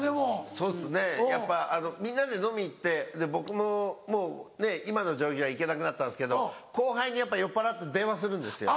そうですねやっぱみんなで飲み行って僕ももう今の状況は行けなくなったんですけど後輩にやっぱ酔っぱらうと電話するんですよ。